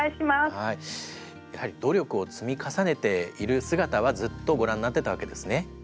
やはり努力を積み重ねている姿はずっとご覧になってたわけですね。